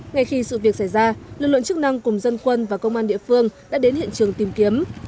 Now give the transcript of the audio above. ngay khi sự việc xảy ra lực lượng chức năng cùng dân quân và công an địa phương đã đến hiện trường tìm kiếm